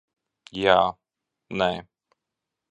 Jā. Nē.